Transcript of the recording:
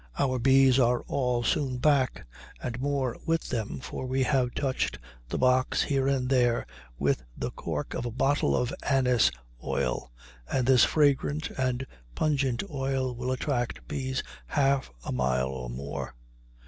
Our bees are all soon back, and more with them, for we have touched the box here and there with the cork of a bottle of anise oil, and this fragrant and pungent oil will attract bees half a mile or more.